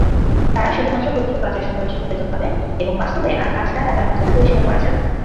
তারা শুধুমাত্র প্রকৃত কাজের সময়ের জন্য বেতন পাবেন এবং বাস্তবে আর কাজে না ডাকার মাধ্যমে বহিষ্কার করা যাবে।